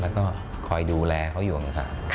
แล้วก็คอยดูแลเขาอยู่อย่างนี้ค่ะ